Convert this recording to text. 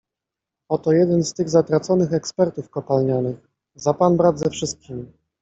O to jeden z tych zatraconych ekspertów kopalnianych. Za pan brat ze wszystkimi